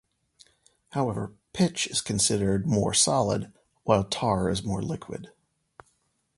However, pitch is considered more solid, while tar is more liquid.